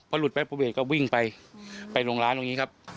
พอหลุดไปภูเอกก็วิ่งไปไปลงร้านตรงนี้ครับ